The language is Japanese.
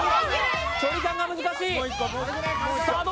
距離感が難しい。